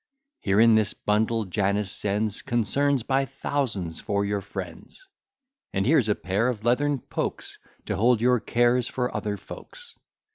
Here in this bundle Janus sends Concerns by thousands for your friends. And here's a pair of leathern pokes, To hold your cares for other folks.